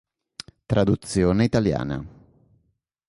Traduzione italiana